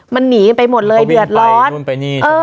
มันหนีไปหมดเลยเดือดร้อน